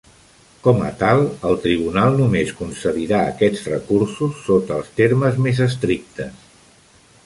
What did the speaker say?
Com a tal, el tribunal només concedirà aquests recursos sota els termes més estrictes.